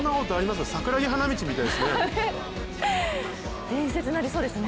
桜木花道みたいですね。